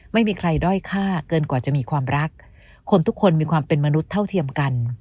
ไม่มีใครด้อยค่าเกินกว่าจะมีความรักคนทุกคนมีความเป็นมนุษย์เท่าเทียมกัน